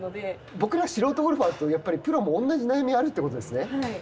僕ら素人ゴルファーとプロも同じ悩みがあるってことですね。